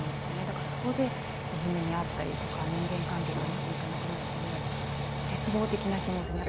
だからそこでいじめに遭ったりとか人間関係がうまくいかなくなるともう絶望的な気持ちに。